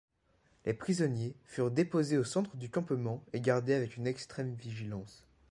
Les prisonniers furent déposés au centre du campement et gardés avec une extrême vigilance.